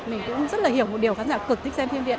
mình cũng rất là hiểu một điều khán giả cực thích xem phim